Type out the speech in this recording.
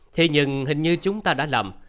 thì nhưng hình như chúng ta đã lầm